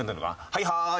はいはーい。